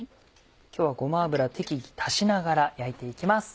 今日はごま油適宜足しながら焼いて行きます。